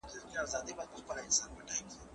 موږ به په راتلونکي کي ډګر څېړنه ترسره کوو.